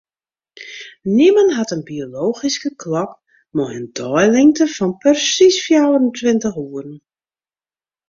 Nimmen hat in biologyske klok mei in deilingte fan persiis fjouwerentweintich oeren.